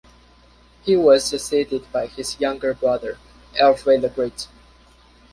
He was succeeded by his younger brother, Alfred the Great.